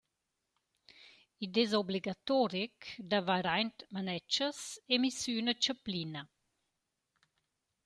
Id es obligatoric d’avair aint manetschas e miss sü üna chaplina.